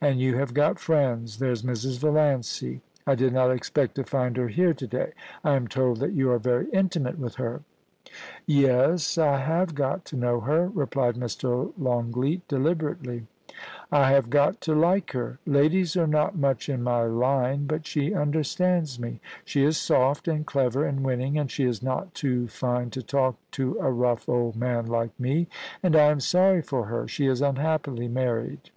And you have got friends. There's Mrs. Valiancy. I did not expect to find her here to day. I am told that you are very intimate with her.' * Yes, I have got to know her,' replied Mr. Longleat, de liberately. * I have got to like her. Ladies are not much in my line, but she understands me. She is soft and clever and winning, and she is not too fine to talk to a rough old man like me. And I am sorry for her. She is unhappily married.